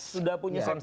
sudah punya loyalitas